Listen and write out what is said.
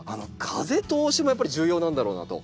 風通しもやっぱり重要なんだろうなと。